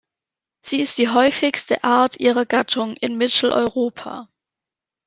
Sie ist die häufigste Art ihrer Gattung in Mitteleuropa.